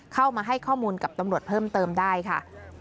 เข้ามาให้ข้อมูลกับตำรวจเพิ่มเติมได้ค่ะ